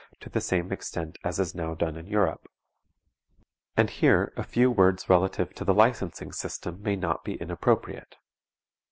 to the same extent as is now done in Europe. And here a few words relative to the licensing system may not be inappropriate.